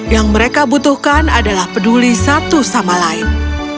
yang mereka butuhkan adalah peduli satu sama lain